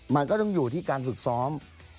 มันก็ต้องอยู่ที่การฝึกซ้อม